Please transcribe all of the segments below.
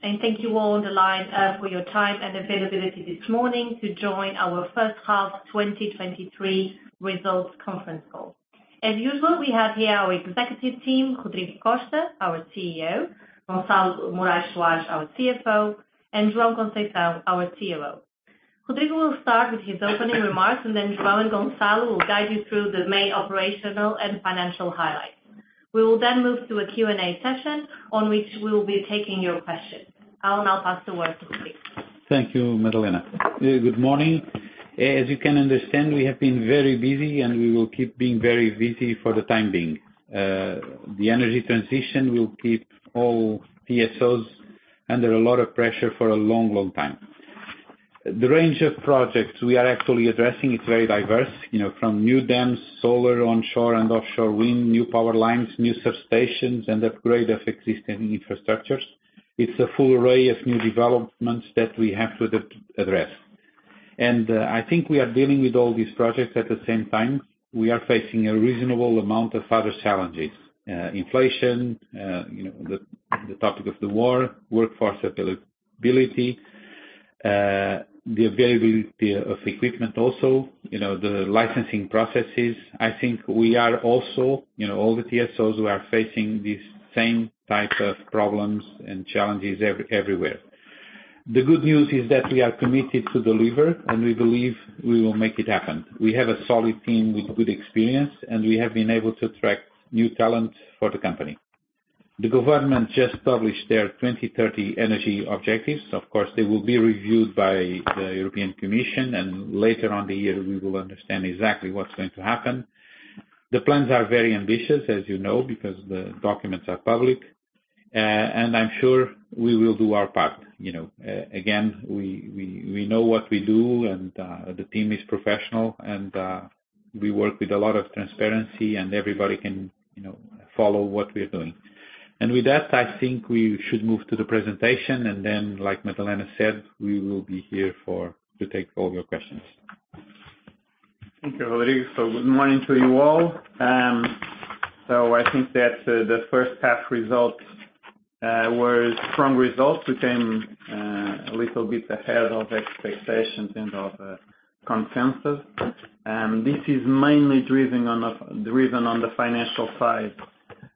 Thank you all on the line for your time and availability this morning to join our H1 2023 results conference call. As usual, we have here our executive team, Rodrigo Costa, our CEO, Gonçalo Morais Soares, our CFO, and João Conceição, our COO. Rodrigo will start with his opening remarks, and then João and Gonçalo will guide you through the main operational and financial highlights. We will move to a Q&A session, on which we will be taking your questions. I will now pass the word to Rodrigo. Thank you, Madalena. Good morning. As you can understand, we have been very busy, and we will keep being very busy for the time being. The energy transition will keep all TSOs under a lot of pressure for a long, long time. The range of projects we are actually addressing is very diverse, you know, from new dams, solar, onshore and offshore wind, new power lines, new substations, and upgrade of existing infrastructures. It's a full array of new developments that we have to address. I think we are dealing with all these projects at the same time, we are facing a reasonable amount of other challenges, inflation, you know, the topic of the war, workforce availability, the availability of equipment also, you know, the licensing processes. I think we are also, you know, all the TSOs who are facing these same type of problems and challenges everywhere. The good news is that we are committed to deliver, and we believe we will make it happen. We have a solid team with good experience, and we have been able to attract new talent for the company. The government just published their 2030 energy objectives. Of course, they will be reviewed by the European Commission, and later on the year, we will understand exactly what's going to happen. The plans are very ambitious, as you know, because the documents are public, and I'm sure we will do our part. You know, again, we know what we do and the team is professional and we work with a lot of transparency, and everybody can, you know, follow what we are doing. With that, I think we should move to the presentation, like Madalena said, we will be here to take all your questions. Thank you, Rodrigo. Good morning to you all. I think that the H1 results were strong results. We came a little bit ahead of expectations and of consensus. This is mainly driven on the financial side,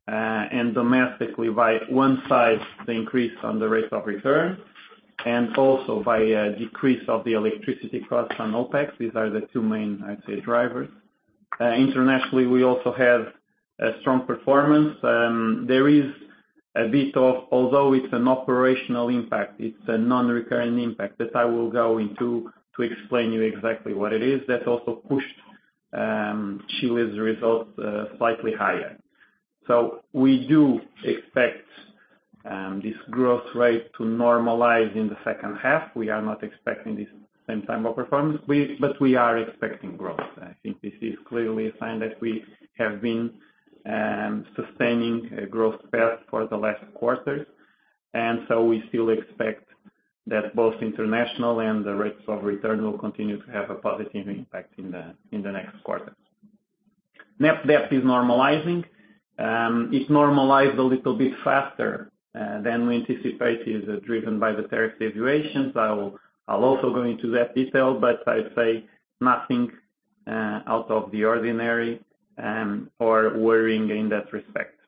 and domestically, by one side, the increase on the rate of return, and also by a decrease of the electricity costs on OpEx. These are the two main, I'd say, drivers. Internationally, we also have a strong performance. There is a bit of, although it's an operational impact, it's a non-reoccurring impact that I will go into to explain you exactly what it is. That's also pushed Chile's results slightly higher. We do expect this growth rate to normalize in the H2. We are not expecting this same type of performance, but we are expecting growth. I think this is clearly a sign that we have been sustaining a growth path for the last quarters. We still expect that both international and the rates of return will continue to have a positive impact in the next quarters. Net debt is normalizing. It's normalized a little bit faster than we anticipated, is driven by the tariff situations. I'll also go into that detail, but I'd say nothing out of the ordinary or worrying in that respect.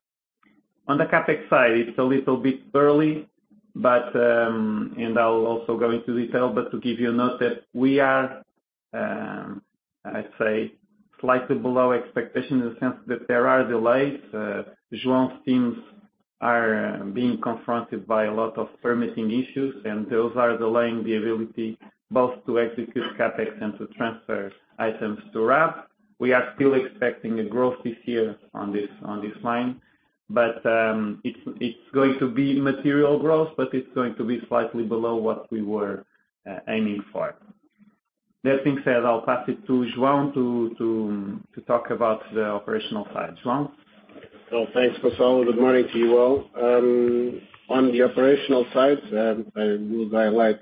On the CapEx side, it's a little bit early, but I'll also go into detail, but to give you a note that we are, I'd say slightly below expectation in the sense that there are delays. João's teams are being confronted by a lot of permitting issues. Those are delaying the ability both to execute CapEx and to transfer items to RAB. We are still expecting a growth this year on this, on this line, but it's going to be material growth, but it's going to be slightly below what we were aiming for. That being said, I'll pass it to João to talk about the operational side. João? Thanks, Gonçalo. Good morning to you all. On the operational side, I will highlight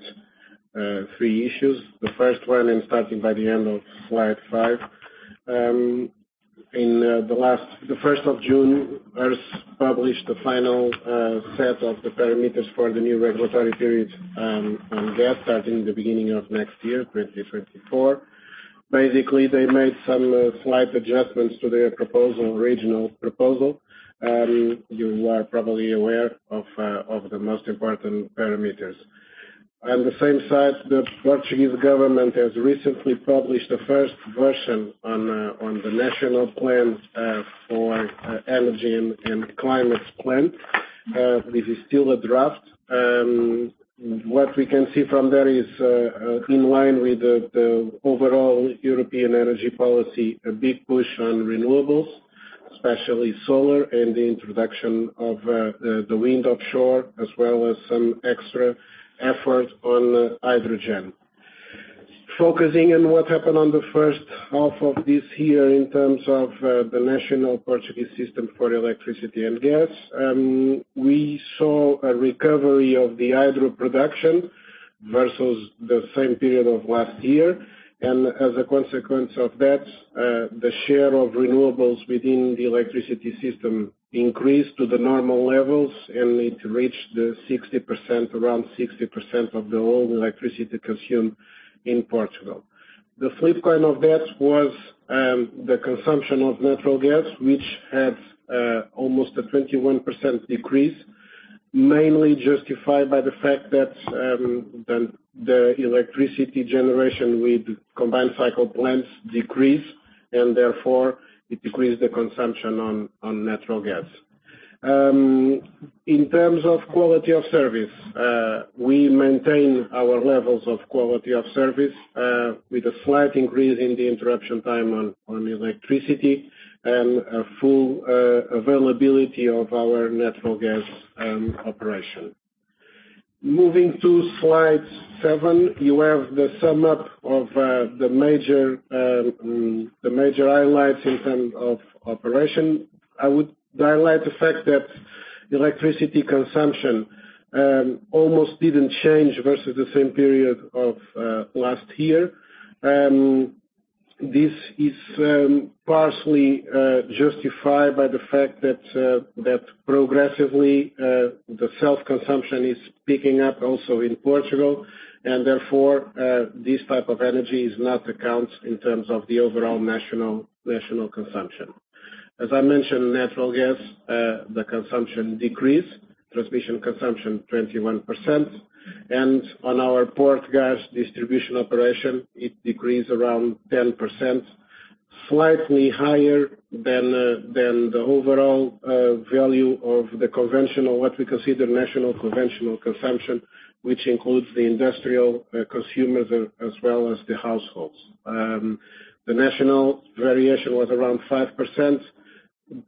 three issues. The first one, I'm starting by the end of slide five. In the first of June, ERSE published the final set of the parameters for the new regulatory period on gas, starting the beginning of next year, 2024. Basically, they made some slight adjustments to their proposal, original proposal. You are probably aware of the most important parameters. On the same side, the Portuguese government has recently published the first version on the National Energy and Climate Plan. This is still a draft. What we can see from there is, in line with the overall European energy policy, a big push on renewables, especially solar and the introduction of the wind offshore, as well as some extra effort on hydrogen. Focusing on what happened on the H1 of this year in terms of the national Portuguese system for electricity and gas, we saw a recovery of the hydro production versus the same period of last year. As a consequence of that, the share of renewables within the electricity system increased to the normal levels, and it reached the 60%, around 60% of the whole electricity consumed in Portugal. The flip side of that was the consumption of natural gas, which had almost a 21% decrease. mainly justified by the fact that the electricity generation with combined cycle plants decreased, therefore it decreased the consumption on natural gas. In terms of quality of service, we maintain our levels of quality of service, with a slight increase in the interruption time on electricity and a full availability of our natural gas operation. Moving to slide 7, you have the sum up of the major highlights in terms of operation. I would highlight the fact that electricity consumption almost didn't change versus the same period of last year. This is partially justified by the fact that progressively the self-consumption is picking up also in Portugal, therefore this type of energy is not account in terms of the overall national consumption. As I mentioned, natural gas, the consumption decreased, transmission consumption 21%. On our Portgás distribution operation, it decreased around 10%, slightly higher than the overall value of what we consider national conventional consumption, which includes the industrial consumers, as well as the households. The national variation was around 5%.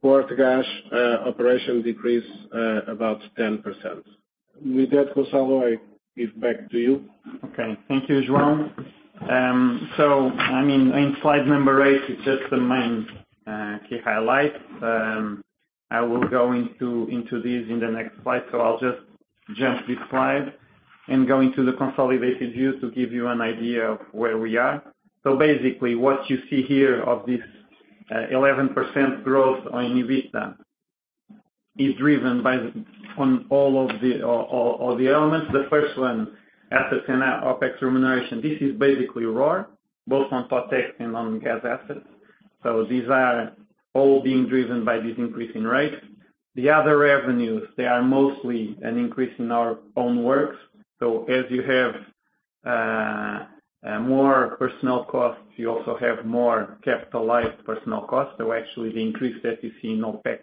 Portgás operation decreased about 10%. With that, Gonçalo, I give back to you. Okay. Thank you, João. I mean, in slide number 8, it's just the main key highlights. I will go into this in the next slide, so I'll just jump this slide and go into the consolidated view to give you an idea of where we are. Basically, what you see here of this 11% growth on EBITDA is driven by all of the elements. The first one, assets and OpEx remuneration. This is basically raw, both on Totex and on gas assets. These are all being driven by this increase in rates. The other revenues, they are mostly an increase in our own works. As you have more personnel costs, you also have more capitalized personnel costs. Actually, the increase that you see in OpEx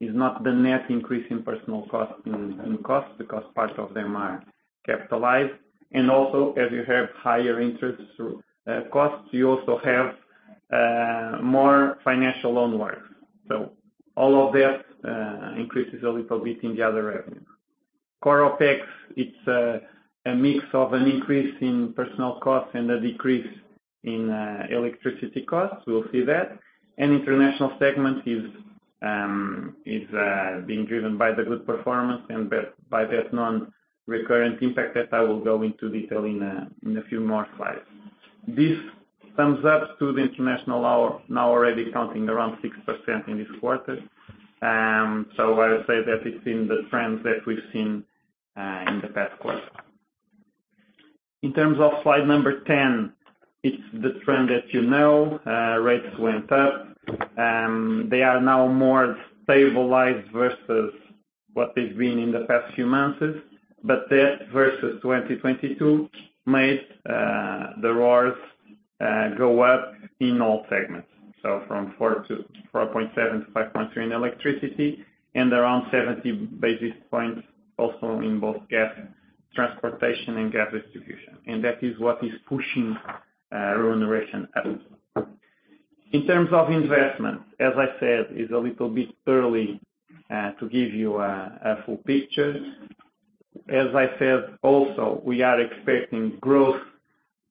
is not the net increase in personal costs, in costs, because part of them are capitalized. Also, as you have higher interest through costs, you also have more financial loan works. All of that increases a little bit in the other revenue. Core OpEx, it's a mix of an increase in personnel costs and a decrease in electricity costs. We'll see that. International segment is being driven by the good performance and by that non-recurrent impact that I will go into detail in a in a few more slides. This sums up to the international hour, now already counting around 6% in this quarter. I would say that it's in the trends that we've seen in the past quarter. In terms of slide number 10, it's the trend that you know, rates went up. They are now more stabilized versus what they've been in the past few months, but that versus 2022 made the RoRs go up in all segments. From 4% to 4.7% to 5.3% in electricity, and around 70 basis points also in both gas transportation and gas distribution, and that is what is pushing remuneration up. In terms of investment, as I said, it's a little bit early to give you a full picture. As I said also, we are expecting growth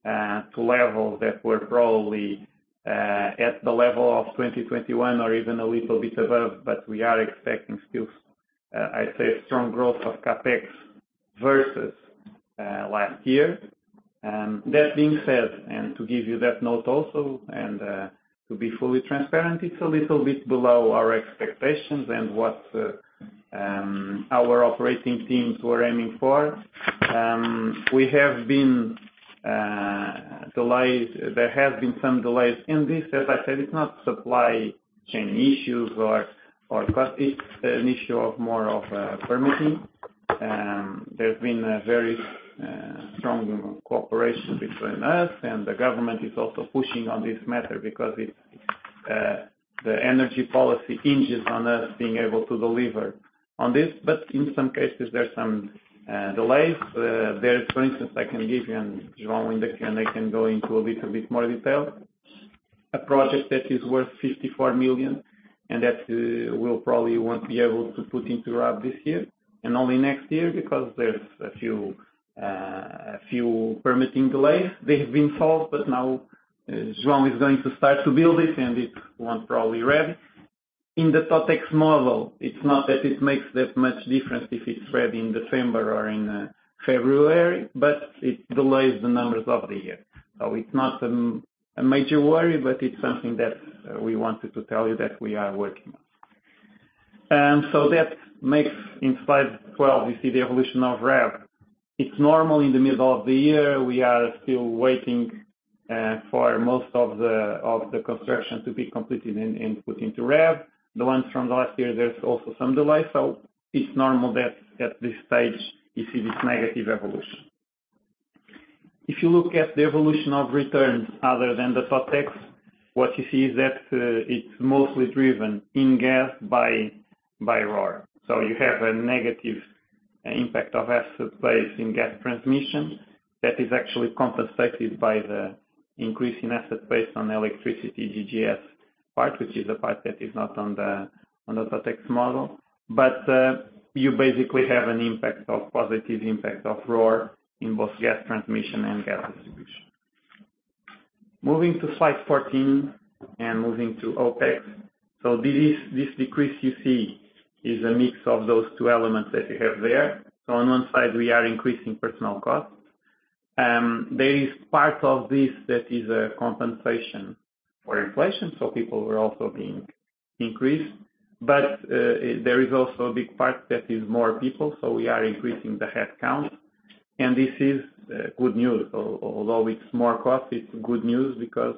to levels that were probably at the level of 2021 or even a little bit above, but we are expecting still, I'd say, strong growth of CapEx versus last year. That being said, to give you that note also, to be fully transparent, it's a little bit below our expectations and what our operating teams were aiming for. There has been some delays in this. As I said, it's not supply chain issues or cost, it's an issue of more of permitting. There's been a very strong cooperation between us and the government is also pushing on this matter because it's the energy policy hinges on us being able to deliver on this. In some cases, there are some delays. There is, for instance, I can give you, and João, and I can go into a little bit more detail. A project that is worth 54 million, and that, we'll probably won't be able to put into wrap this year, and only next year, because there's a few, a few permitting delays. They have been solved, but now João Conceição is going to start to build it, and it won't probably be ready. In the Totex model, it's not that it makes that much difference if it's ready in December or in February, but it delays the numbers of the year. It's not a major worry, but it's something that we wanted to tell you that we are working on. That makes in slide 12, we see the evolution of RAB. It's normal in the middle of the year, we are still waiting for most of the, of the construction to be completed and put into RAB. The ones from last year, there's also some delay. It's normal that at this stage, you see this negative evolution. If you look at the evolution of returns other than the Totex, what you see is that it's mostly driven in gas by RoR. You have a negative impact of asset base in gas transmission that is actually compensated by the increase in asset base on the electricity GGS part, which is the part that is not on the Totex model. You basically have a positive impact of RoR in both gas transmission and gas distribution. Moving to slide 14 and moving to OpEx. This decrease you see is a mix of those two elements that you have there. On one side, we are increasing personal costs. There is part of this that is a compensation for inflation, so people were also being increased. There is also a big part that is more people, so we are increasing the headcount, and this is good news, although it's more cost, it's good news because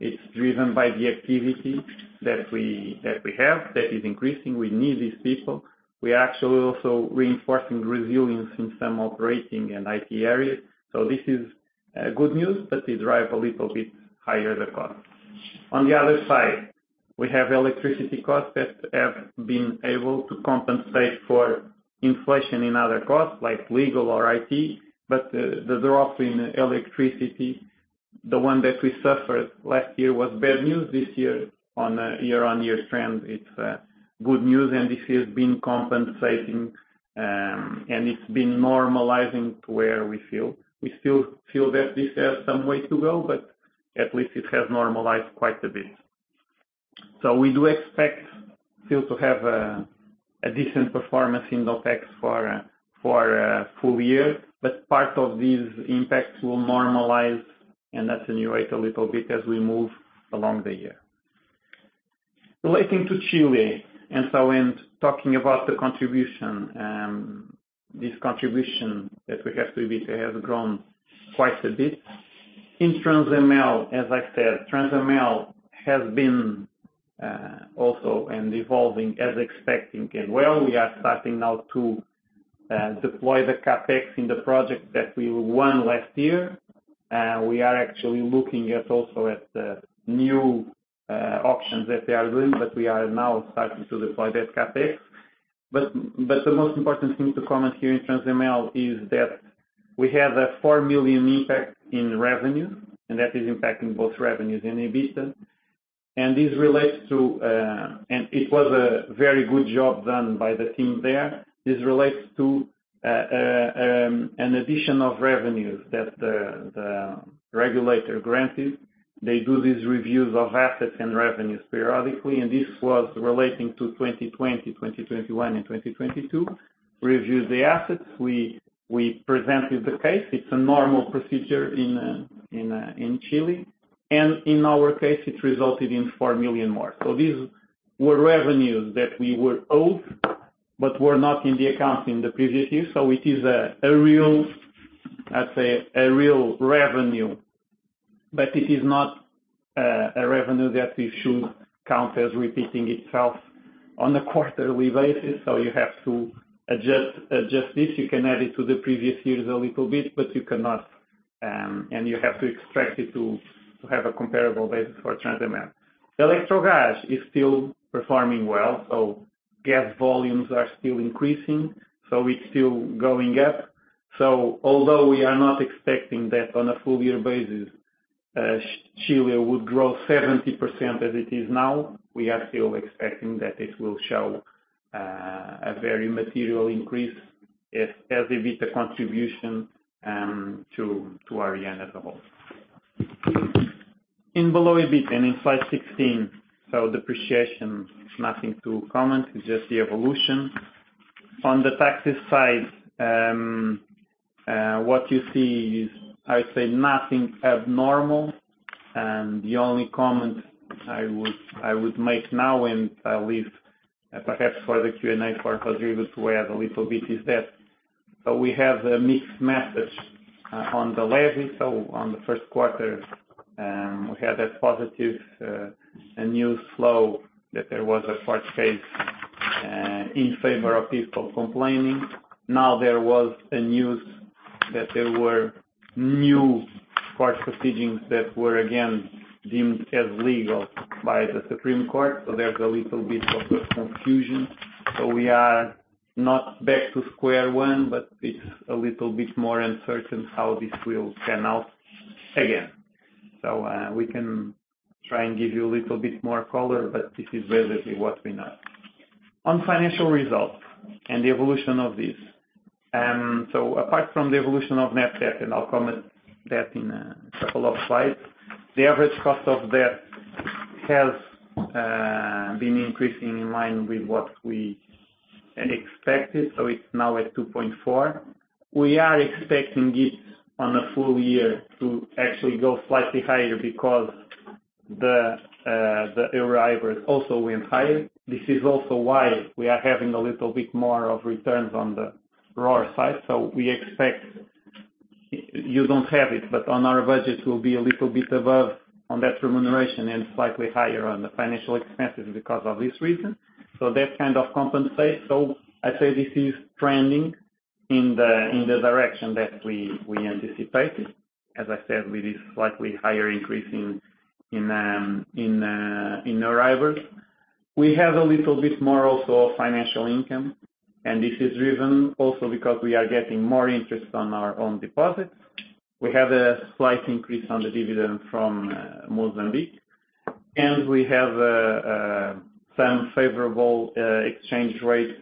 it's driven by the activity that we have, that is increasing. We need these people. We are actually also reinforcing resilience in some operating and IT areas. This is good news, but it drive a little bit higher the cost. On the other side, we have electricity costs that have been able to compensate for inflation in other costs, like legal or IT, but the drop in electricity, the one that we suffered last year, was bad news this year. On a year-on-year trend, it's good news, and this has been compensating, and it's been normalizing to where we feel. We still feel that this has some way to go, but at least it has normalized quite a bit. We do expect still to have a decent performance in OpEx for a full year, but part of these impacts will normalize, and that's a new rate a little bit as we move along the year. Relating to Chile, in talking about the contribution, this contribution that we have to be, has grown quite a bit. In Transemel, as I said, Transemel has been also and evolving as expecting and well, we are starting now to deploy the CapEx in the project that we won last year. We are actually looking at also at the new options that they are doing, but we are now starting to deploy that CapEx. The most important thing to comment here in Transemel is that we have a 4 million impact in revenue, and that is impacting both revenues and EBITDA. This relates to, and it was a very good job done by the team there. This relates to an addition of revenues that the regulator granted. They do these reviews of assets and revenues periodically, and this was relating to 2020, 2021 and 2022. Review the assets, we presented the case. It's a normal procedure in Chile, and in our case, it resulted in 4 million more. These were revenues that we were owed, but were not in the account in the previous years. It is a real, I'd say, a real revenue, but it is not a revenue that we should count as repeating itself on a quarterly basis. You have to adjust this. You can add it to the previous years a little bit, but you cannot. You have to extract it to have a comparable basis for Transemel. Electrogas is still performing well, so gas volumes are still increasing, so it's still going up. Although we are not expecting that on a full year basis, Chile would grow 70% as it is now, we are still expecting that it will show a very material increase as EBITDA contribution to REN as a whole. In below EBITDA, in slide 16. Depreciation, nothing to comment, it's just the evolution. On the taxes side, what you see is, I say nothing abnormal, and the only comment I would make now, and I'll leave perhaps for the Q&A for Rodrigo to add a little bit, is that we have a mixed methods on the levy. On the Q1, we had a positive a new flow, that there was a court case in favor of people complaining. There was a news that there were new court proceedings that were again deemed as legal by the Supreme Court. There's a little bit of a confusion. We are not back to square one, but it's a little bit more uncertain how this will pan out again. We can try and give you a little bit more color, but this is relatively what we know. On financial results and the evolution of this, apart from the evolution of net debt, and I'll comment that in a couple of slides, the average cost of debt has been increasing in line with what we had expected, it's now at 2.4. We are expecting it on a full year to actually go slightly higher because the arrivals also went higher. This is also why we are having a little bit more of returns on the RoR side. We expect, you don't have it, but on our budget will be a little bit above on that remuneration and slightly higher on the financial expenses because of this reason. That kind of compensates. I'd say this is trending in the direction that we anticipated. As I said, with this slightly higher increase in arrivals. We have a little bit more also of financial income, this is driven also because we are getting more interest on our own deposits. We have a slight increase on the dividend from Mozambique, we have some favorable exchange rate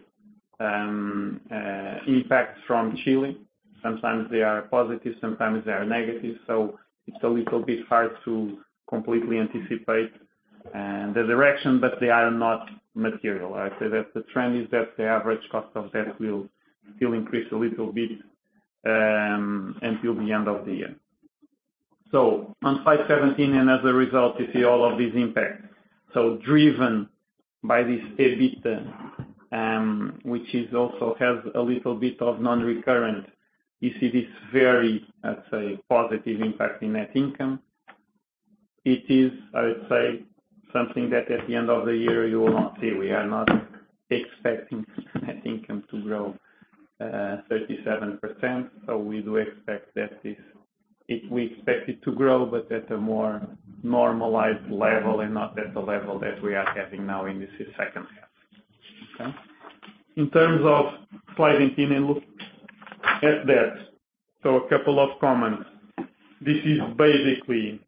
impacts from Chile. Sometimes they are positive, sometimes they are negative, it's a little bit hard to completely anticipate the direction, they are not material. I'd say that the trend is that the average cost of debt will still increase a little bit until the end of the year. On slide 17, as a result, you see all of these impacts. Driven by this EBITDA, which is also has a little bit of non-recurrent, you see this very, I'd say, positive impact in net income. It is, I would say, something that at the end of the year, you will not see. We are not expecting net income to grow 37%, we do expect that this we expect it to grow, but at a more normalized level and not at the level that we are having now in this H2. Okay? In terms of slide 18, look at debt. A couple of comments. This is basically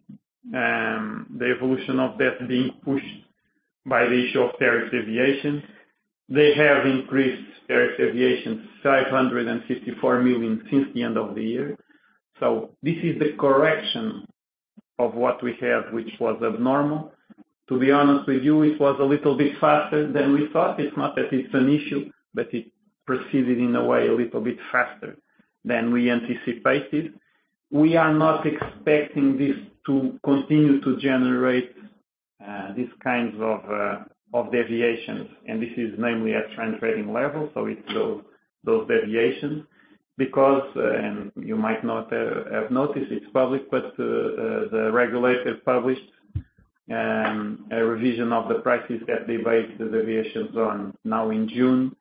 the evolution of debt being pushed by the issue of tariff deviations. They have increased tarriff deviations, 554 million since the end of the year. This is the correction of what we had, which was abnormal. To be honest with you, it was a little bit faster than we thought. It's not that it's an issue, but it proceeded in a way, a little bit faster than we anticipated. We are not expecting this to continue to generate these kinds of tariff deviations, and this is mainly at trend trading level, so it's those tariff deviations. You might not have noticed it's public, but the regulator published a revision of the prices that they based the tariff deviations on now in June,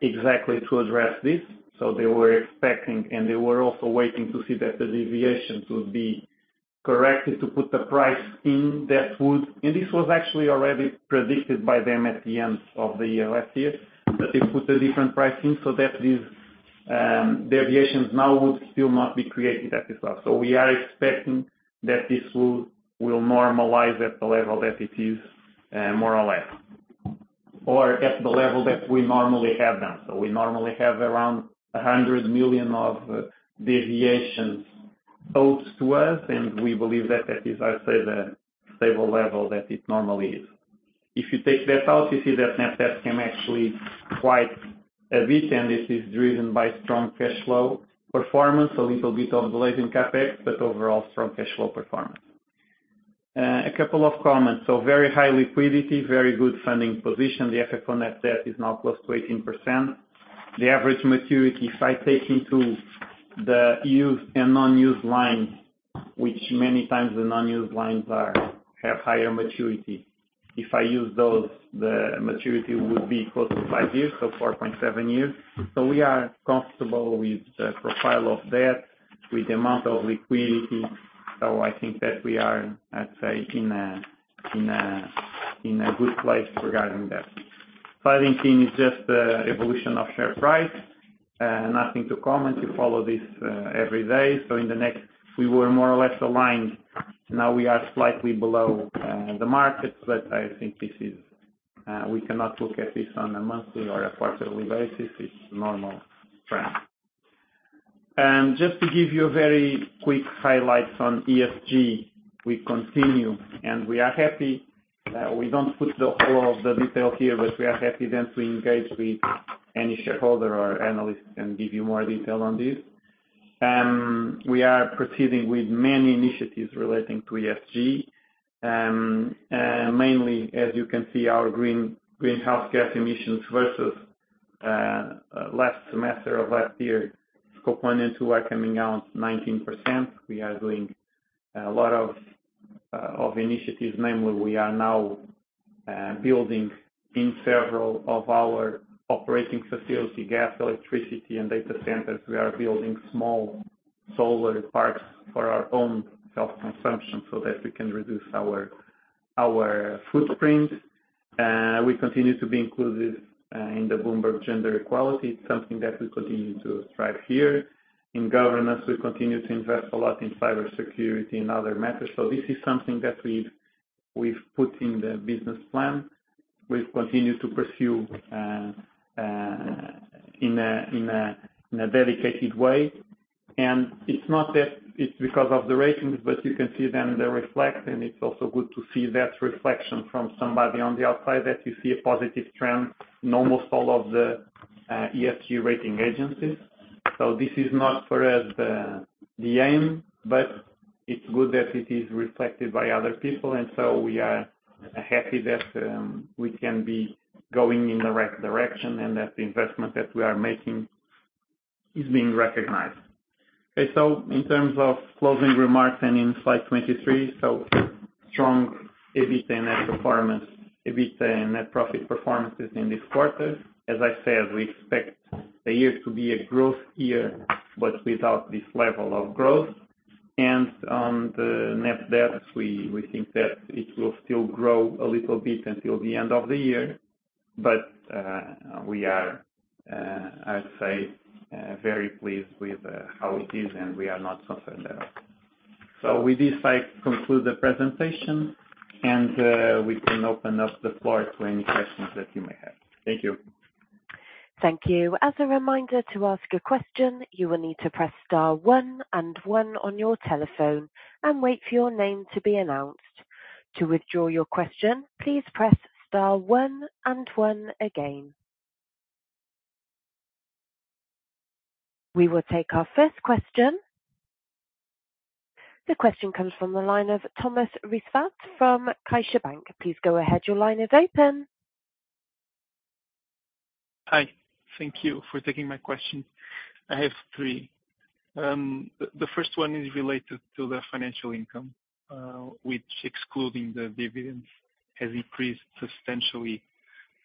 exactly to address this. They were expecting, and they were also waiting to see that the tariff deviations would be corrected to put the price in that would... This was actually already predicted by them at the end of the year, last year, that they put a different pricing so that these deviations now would still not be created as well. We are expecting that this will normalize at the level that it is more or less, or at the level that we normally have done. We normally have around 100 million of deviations owes to us, and we believe that that is, I'd say, the stable level that it normally is. If you take that out, you see that net debt came actually quite a bit, and this is driven by strong cash flow performance, a little bit of delay in CapEx, but overall strong cash flow performance. A couple of comments. Very high liquidity, very good funding position. The effect on net debt is now close to 18%. The average maturity, if I take into the used and non-used lines, which many times the non-used lines have higher maturity. If I use those, the maturity will be close to five years, so 4.7 years. We are comfortable with the profile of debt, with the amount of liquidity. I think that we are, I'd say, in a good place regarding debt. Slide 19 is just the evolution of share price. Nothing to comment. You follow this every day. In the next, we were more or less aligned. Now we are slightly below the market, but I think this is, we cannot look at this on a monthly or a quarterly basis. It's normal trend. Just to give you a very quick highlights on ESG, we continue, and we are happy. We don't put the whole of the detail here, but we are happy then to engage with any shareholder or analyst and give you more detail on this. We are proceeding with many initiatives relating to ESG. Mainly, as you can see, our greenhouse gas emissions versus last semester of last year, Scope one and two are coming out 19%. We are doing a lot of initiatives. Mainly, we are now building in several of our operating facilities, gas, electricity, and data centers. We are building small solar parks for our own self-consumption so that we can reduce our footprints. We continue to be included in the Bloomberg Gender Equality. It's something that we continue to strive here. In governance, we continue to invest a lot in cybersecurity and other matters. This is something that we've put in the business plan. We've continued to pursue in a dedicated way. It's not that it's because of the ratings, but you can see then the reflect, and it's also good to see that reflection from somebody on the outside, that you see a positive trend in almost all of the ESG rating agencies. This is not for us, the aim, but it's good that it is reflected by other people, and so we are happy that we can be going in the right direction and that the investment that we are making is being recognized. In terms of closing remarks in slide 23, strong EBIT and net performance, EBIT and net profit performances in this quarter. As I said, we expect the year to be a growth year, but without this level of growth. On the net debt, we think that it will still grow a little bit until the end of the year, but we are, I'd say, very pleased with how it is, and we are not concerned at all. With this, I conclude the presentation, and we can open up the floor to any questions that you may have. Thank you. Thank you. As a reminder, to ask a question, you will need to press star one and one on your telephone and wait for your name to be announced. To withdraw your question, please press star one and one again. We will take our first question. The question comes from the line of Flora Trindade from CaixaBank. Please go ahead. Your line is open. Hi, thank you for taking my question. I have three. The first one is related to the financial income, which excluding the dividends, has increased substantially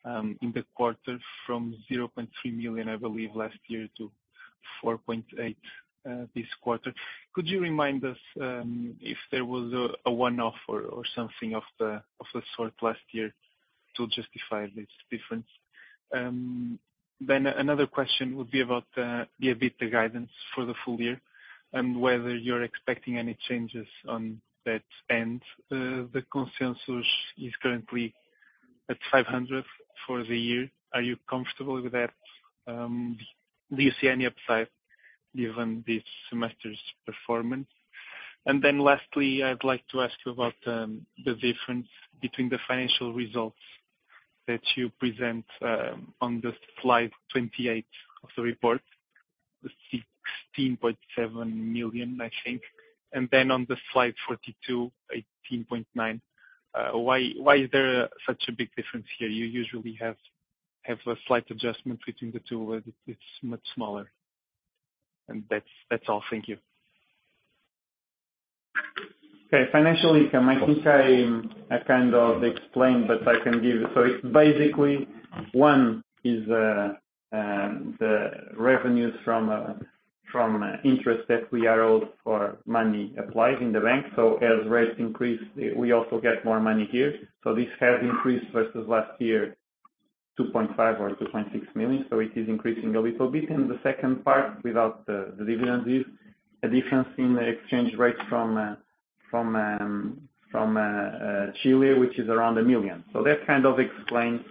in the quarter from 0.3 million, I believe, last year, to 4.8 million this quarter. Could you remind us if there was a one-off or something of the sort last year to justify this difference? Another question would be about the EBITDA guidance for the full year and whether you're expecting any changes on that end. The consensus is currently at 500 million for the year. Are you comfortable with that? Do you see any upside given this semester's performance? Lastly, I'd like to ask you about the difference between the financial results that you present on the slide 28 of the report, the 16.7 million, I think, and then on the slide 42, 18.9. Why is there such a big difference here? You usually have a slight adjustment between the two, where it's much smaller. That's all. Thank you. Okay. Financial income, I think I kind of explained, but I can give you. Basically, one is the revenues from interest that we are owed for money applied in the bank. As rates increase, we also get more money here. This has increased versus last year, 2.5 million or 2.6 million, so it is increasing a little bit. The second part, without the dividends, is a difference in the exchange rate from Chile, which is around 1 million. That kind of explains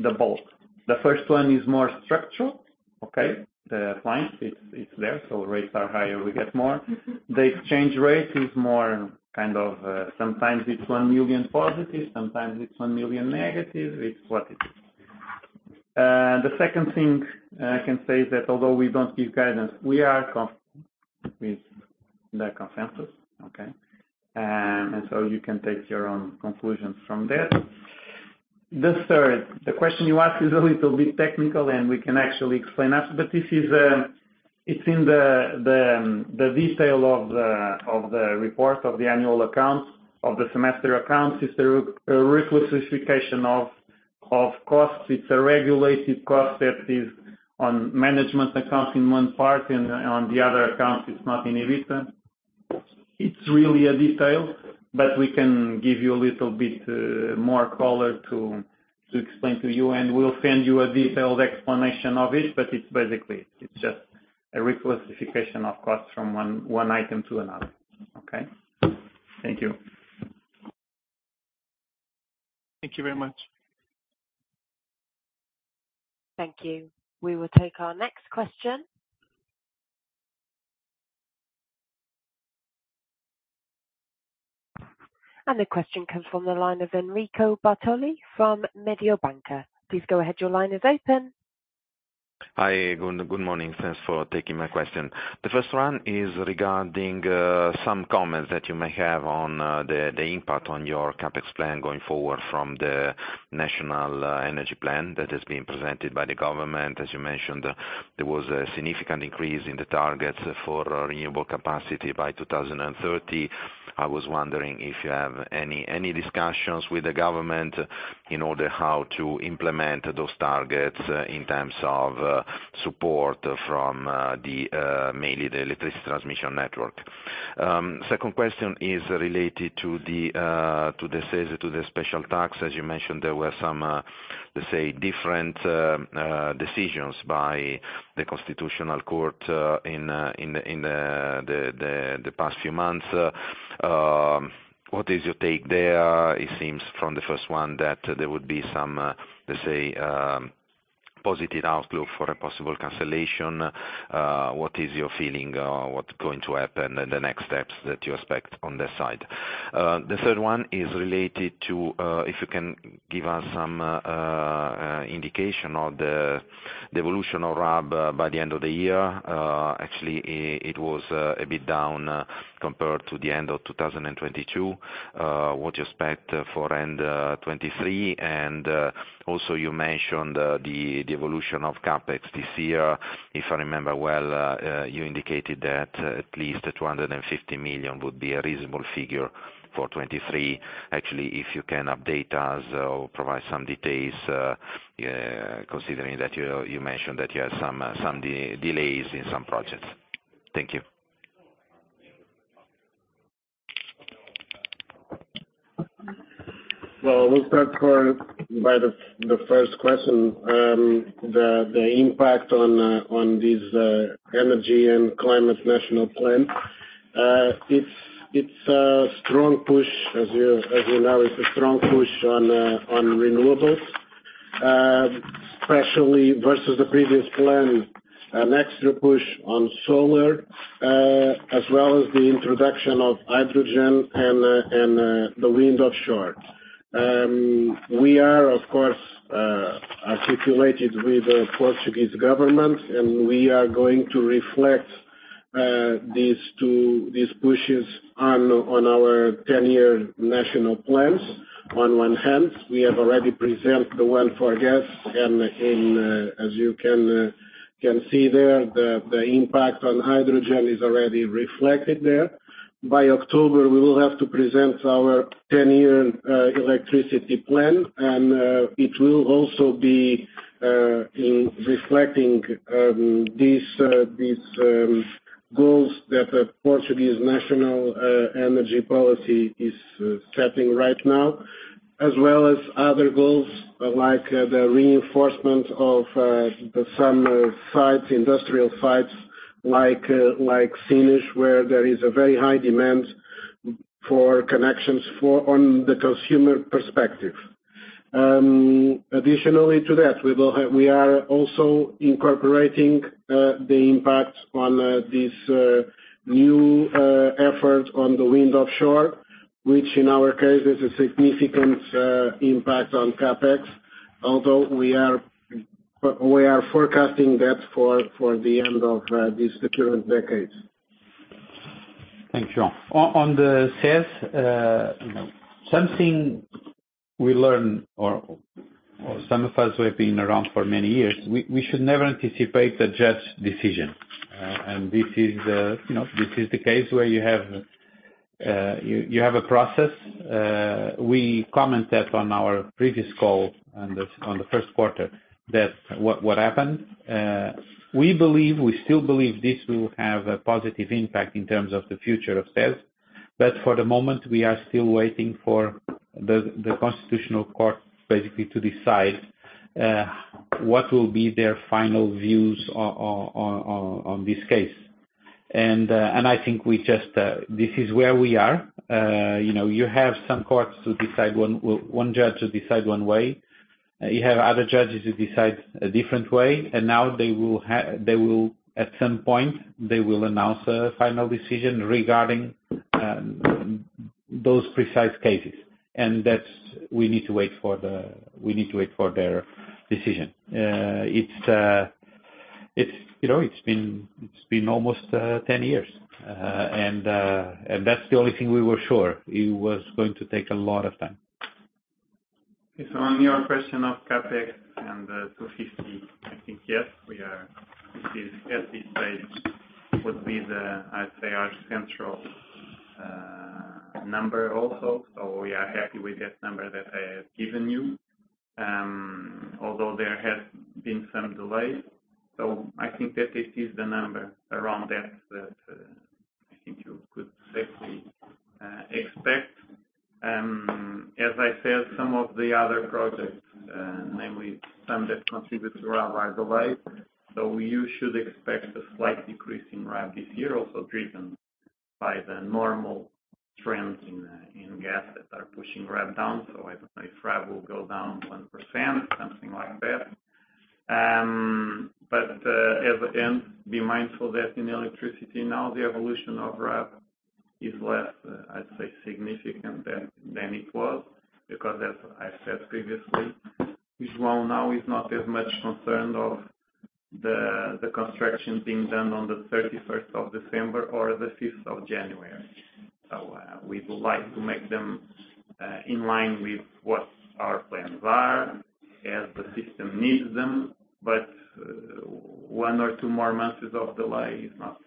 the bulk. The first one is more structural, okay? The client, it's there, rates are higher, we get more. The exchange rate is more kind of sometimes it's 1 million positive, sometimes it's 1 million negative. It's what it is. The second thing I can say is that although we don't give guidance, we are with the consensus, okay? You can take your own conclusions from that. The third, the question you asked is a little bit technical, and we can actually explain that, but this is, it's in the detail of the report, of the annual accounts, of the semester accounts. It's a reclassification of costs. It's a regulated cost that is on management accounts in one part and on the other accounts, it's not in EBITDA. It's really a detail, but we can give you a little bit more color to explain to you, and we'll send you a detailed explanation of it, but it's basically, it's just a reclassification of costs from one item to another. Okay? Thank you. Thank you very much. Thank you. We will take our next question. The question comes from the line of Enrico Bartoli from Mediobanca. Please go ahead. Your line is open. Hi, good morning. Thanks for taking my question. The first one is regarding some comments that you may have on the impact on your CapEx plan going forward from the National Energy Plan that has been presented by the government. As you mentioned, there was a significant increase in the targets for renewable capacity by 2030. I was wondering if you have any discussions with the government in order how to implement those targets in terms of support from mainly the electricity transmission network. Second question is related to the sales, to the special tax. As you mentioned, there were some, let's say, different decisions by the Constitutional Court in the past few months. What is your take there? It seems from the first one that there would be some, let's say, positive outlook for a possible cancellation. What is your feeling on what's going to happen, and the next steps that you expect on that side? The third one is related to, if you can give us some indication of the evolution of RAB by the end of the year. Actually, it was a bit down compared to the end of 2022. What do you expect for end 2023? Also you mentioned the evolution of CapEx this year. If I remember well, you indicated that at least 250 million would be a reasonable figure for 2023. Actually, if you can update us or provide some details, considering that you mentioned that you had some delays in some projects. Thank you. Well, we'll start by the first question. The impact on these National Energy and Climate Plan. It's a strong push, as you know, it's a strong push on renewables. Especially versus the previous plan, an extra push on solar, as well as the introduction of hydrogen and the wind offshore. We are, of course, articulated with the Portuguese government, and we are going to reflect these pushes on our 10-year national plans. On one hand, we have already presented the one for gas, and in as you can see there, the impact on hydrogen is already reflected there. By October, we will have to present our 10-year electricity plan, and it will also be in reflecting these these goals that the Portuguese national energy policy is setting right now. As well as other goals, like the reinforcement of some sites, industrial sites like Sines, where there is a very high demand for connections on the consumer perspective. Additionally to that, we are also incorporating the impact on this new effort on the wind offshore, which in our case, is a significant impact on CapEx. Although, we are forecasting that for the end of this current decade. Thank you. On the CESE, something we learned, or some of us who have been around for many years, we should never anticipate a judge's decision. This is, you know, this is the case where you have a process. We commented on our previous call on the Q1, that what happened. We believe, we still believe this will have a positive impact in terms of the future of CESE. For the moment, we are still waiting for the Constitutional Court, basically, to decide what will be their final views on this case. I think we just this is where we are. You know, you have some courts who decide one judge to decide one way, and you have other judges who decide a different way. Now they will, at some point, they will announce a final decision regarding those precise cases. That's, we need to wait for their decision. It's, it's, you know, it's been almost 10 years. That's the only thing we were sure, it was going to take a lot of time. On your question of CapEx and 250, I think, yes, we are. This is, at this stage, would be the, I'd say, our central number also. We are happy with that number that I have given you. Although there has been some delay, I think that this is the number around that, I think you could safely expect. As I said, some of the other projects, namely some that contribute to RAB right away, you should expect a slight decrease in RAB this year, also driven by the normal trends in gas that are pushing RAB down. I don't know if RAB will go down 1%, something like that. At the end, be mindful that in electricity now, the evolution of RAB is less significant than it was. As I've said previously, is now is not as much concerned of the construction being done on the 31st of December or the 5th of January. We would like to make them in line with what our plans are, as the system needs them, but one or two more months of delay is not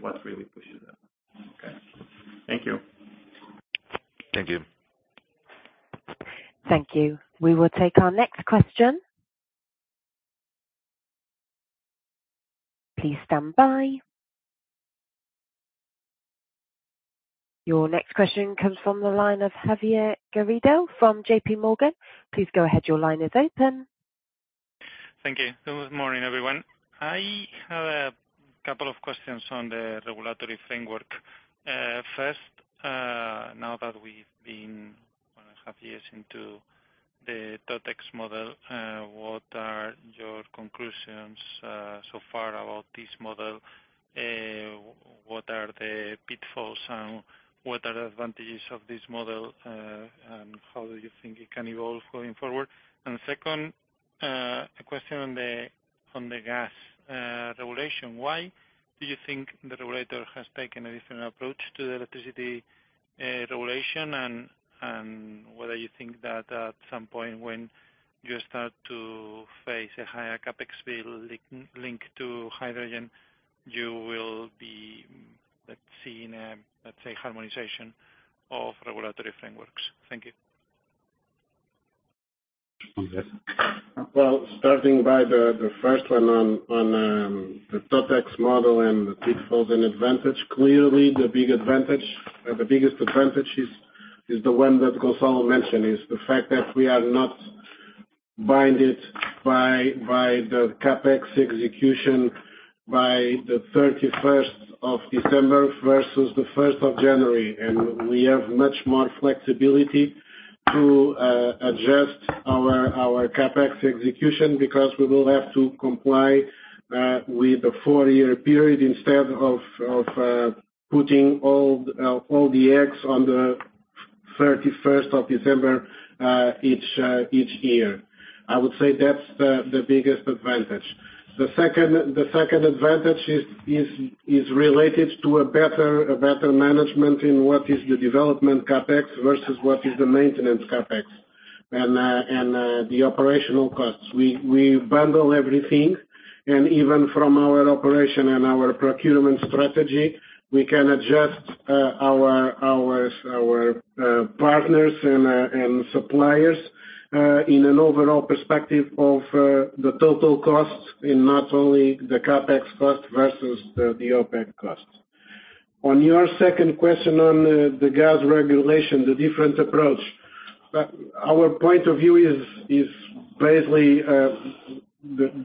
what really pushes them. Okay. Thank you. Thank you. Thank you. We will take our next question. Please stand by. Your next question comes from the line of Javier Garrido from JP Morgan. Please go ahead. Your line is open. Thank you. Good morning, everyone. A couple of questions on the regulatory framework. First, now that we've been one and a 1/2 years into the Totex model, what are your conclusions so far about this model? What are the pitfalls and what are the advantages of this model, and how do you think it can evolve going forward? Second, a question on the gas regulation. Why do you think the regulator has taken a different approach to the electricity regulation? Whether you think that at some point when you start to face a higher CapEx bill linked to hydrogen, you will be, let's see, let's say, harmonization of regulatory frameworks. Thank you. Well, starting by the first one on the Totex model and the pitfalls and advantage. Clearly, the big advantage or the biggest advantage is the one that Gonçalo mentioned, is the fact that we are not binded by the CapEx execution by the 31st of December versus the 1st of January. We have much more flexibility to adjust our CapEx execution, because we will have to comply with the 4-year period instead of putting all the eggs on the 31st of December each year. I would say that's the biggest advantage. The second advantage is related to a better management in what is the development CapEx versus what is the maintenance CapEx, and the operational costs. We bundle everything. Even from our operation and our procurement strategy, we can adjust our partners and suppliers in an overall perspective of the total costs, in not only the CapEx cost versus the OpEx costs. On your second question on the gas regulation, the different approach, our point of view is basically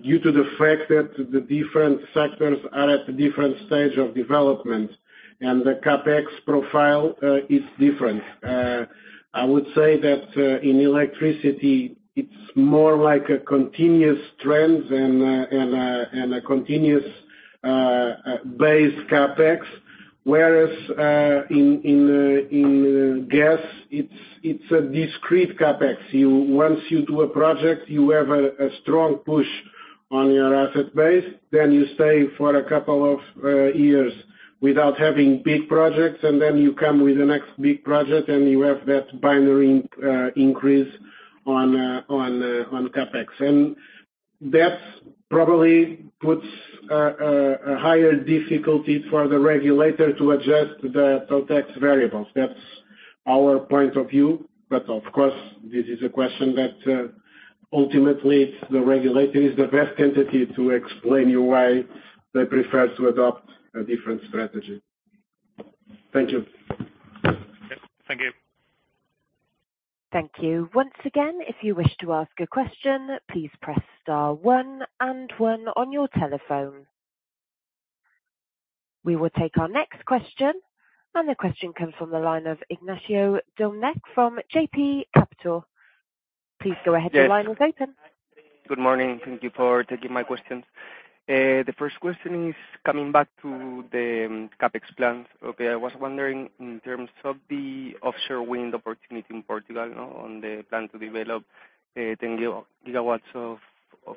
due to the fact that the different sectors are at a different stage of development, and the CapEx profile is different. I would say that in electricity it's more like a continuous trend than a continuous base CapEx. Whereas in gas, it's a discrete CapEx. Once you do a project, you have a strong push on your asset base, then you stay for a couple of years without having big projects, and then you come with the next big project, and you have that binary increase on CapEx. That probably puts a higher difficulty for the regulator to adjust the Totex variables. That's our point of view. Of course, this is a question that ultimately, the regulator is the best entity to explain you why they prefer to adopt a different strategy. Thank you. Thank you. Thank you. Once again, if you wish to ask a question, please press star one and one on your telephone. We will take our next question. The question comes from the line of Ignacio Domenech from JB Capital. Please go ahead. The line is open. Good morning. Thank you for taking my questions. The first question is coming back to the CapEx plans. I was wondering, in terms of the offshore wind opportunity in Portugal, you know, on the plan to develop 10 gigawatts of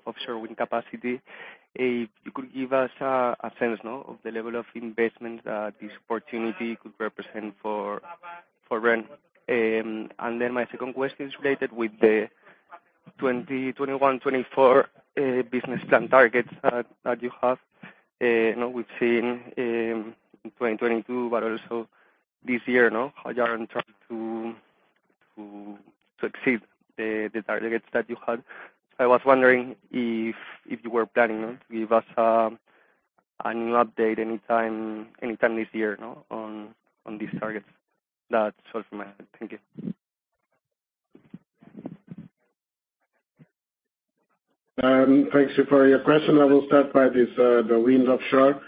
offshore wind capacity, you could give us a sense now, of the level of investment that this opportunity could represent for REN? My second question is related with the 2021-2024 business plan targets that you have. You know, we've seen in 2022, but also this year, you know, how you are on track to exceed the targets that you had. I was wondering if you were planning on to give us a new update anytime this year, you know, on these targets? That's all from me. Thank you. Thank you for your question. I will start by this, the wind offshore.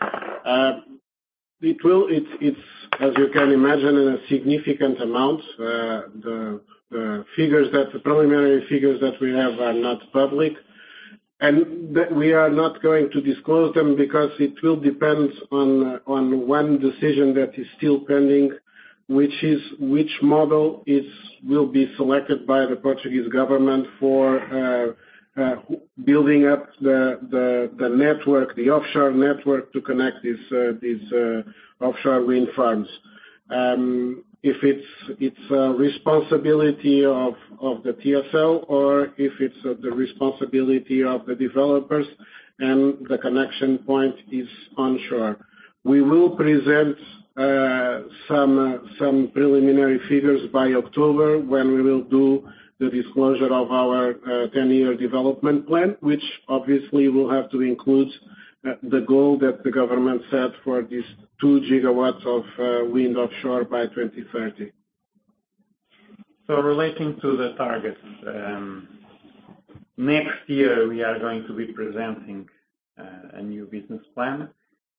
It's, as you can imagine, in a significant amount, the figures that the preliminary figures that we have are not public. That we are not going to disclose them, because it will depend on one decision that is still pending, which is, which model will be selected by the Portuguese government for building up the network, the offshore network, to connect these, offshore wind farms. If it's a responsibility of the TSO, or if it's the responsibility of the developers, and the connection point is onshore. We will present, some preliminary figures by October, when we will do the disclosure of our, ten-year development plan, which obviously will have to include, the goal that the government set for this 2GW of, wind offshore by 2030. Relating to the targets, next year, we are going to be presenting a new business plan.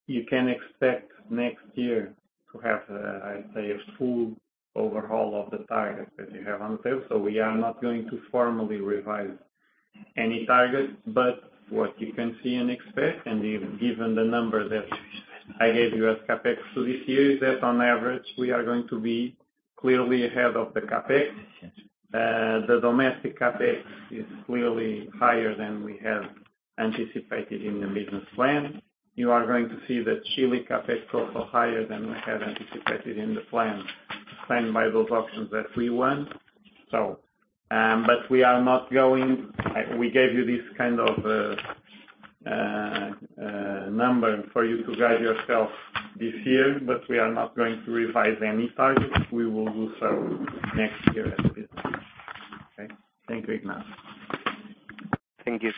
You can expect next year to have, I'd say, a full overhaul of the targets that you have on sale. We are not going to formally revise any targets, but what you can see and expect, and given the number that I gave you as CapEx for this year, is that on average we are going to be clearly ahead of the CapEx. The domestic CapEx is clearly higher than we had anticipated in the business plan. You are going to see the Chile CapEx also higher than we had anticipated in the plan, planned by those options that we won. We are not going... We gave you this kind of, number for you to guide yourself this year. We are not going to revise any targets. We will do so next year as it is. Okay? Thank you, Ignacio. Thank you.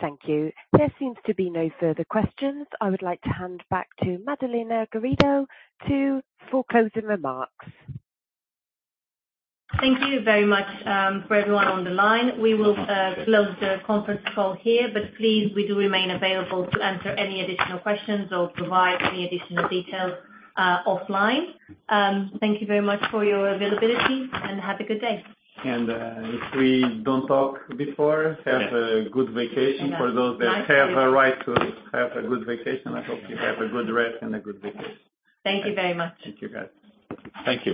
Thank you. There seems to be no further questions. I would like to hand back to Madalena Garrido for closing remarks. Thank you very much for everyone on the line. We will close the conference call here, but please, we do remain available to answer any additional questions or provide any additional details offline. Thank you very much for your availability, and have a good day. If we don't talk before, have a good vacation. For those that have a right to have a good vacation, I hope you have a good rest and a good vacation. Thank you very much. Thank you, guys. Thank you.